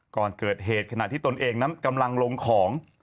ก่อนเกิดเหตุขณะที่ตนเองนั้นกำลังลงของ